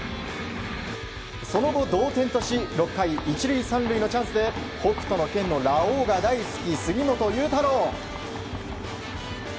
その後、同点とし６回１塁３塁のチャンスで「北斗の拳」のラオウが大好き、杉本裕太郎。